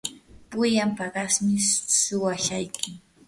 pullan paqasmi suwashayki.